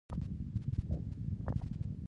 په پښتو یې ډېرې خوږې او روانې خبرې کولې.